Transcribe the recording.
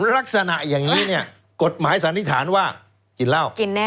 ลักษณะอย่างนี้กฎหมายสันนิษฐานว่ากินเล่า